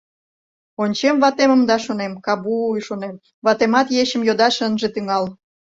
Ончем ватемым да шонем: кабуй, шонем, ватемат ечым йодаш ынже тӱҥал.